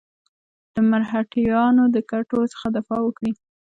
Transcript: د مرهټیانو د ګټو څخه دفاع وکړي.